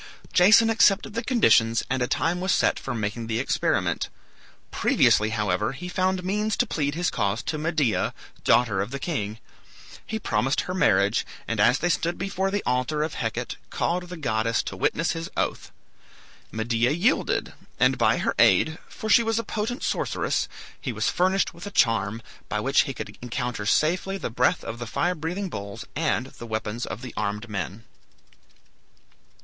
Jason accepted the conditions, and a time was set for making the experiment. Previously, however, he found means to plead his cause to Medea, daughter of the king. He promised her marriage, and as they stood before the altar of Hecate, called the goddess to witness his oath. Medea yielded, and by her aid, for she was a potent sorceress, he was furnished with a charm, by which he could encounter safely the breath of the fire breathing bulls and the weapons of the armed men.